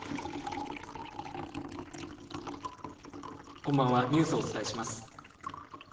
こんばんは、ニュースをお伝えします。